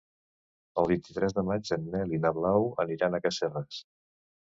El vint-i-tres de maig en Nel i na Blau aniran a Casserres.